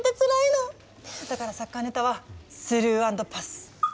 だからサッカーネタはスルー＆パス。